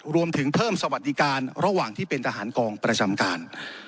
รวมถึงเพิ่มสวัสดิการระหว่างที่เป็นทหารกองประจำการ